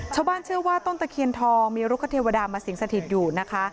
ชาวบ้านเชื่อว่าต้นตะเคียนทองมีรุกเทวดามาสิงสถิตอยู่นะคะ